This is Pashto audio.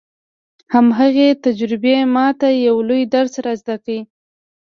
هماغې تجربې ما ته يو لوی درس را زده کړ.